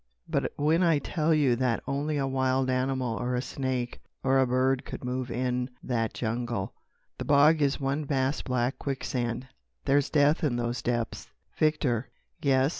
"But when I tell you that only a wild animal or a snake or a bird could move in that jungle! The bog is one vast black quicksand. There's death in those depths." "Victor." "Yes?"